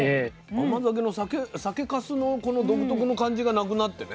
甘酒の酒かすの独特の感じがなくなってね